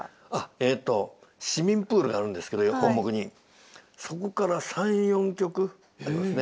えっと市民プールがあるんですけど本牧にそこから３４曲ありますね。